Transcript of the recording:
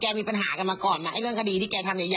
แกมีปัญหากันมาก่อนเรื่องคดีที่แกทำใหญ่อ่ะ